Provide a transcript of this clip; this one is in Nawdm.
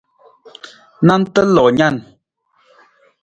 Nanta loo nan.